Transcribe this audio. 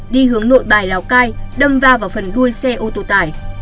đi hướng nội bài lào cai đâm va vào phần đuôi xe ô tô tải